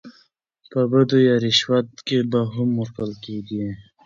په بډو يا رشوت کې به هم ورکول کېدې.